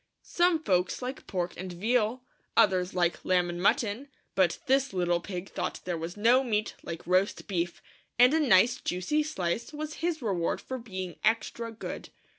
Some folks like poi . and veal ; others like lamb and mutton ; but this little pig thought there was no meat like roast beef; and a nice juicy slice was his reward for being extra good.